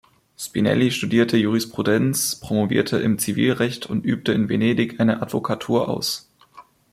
Spinelli studierte Jurisprudenz, promovierte im Zivilrecht und übte in Venedig eine Advokatur aus.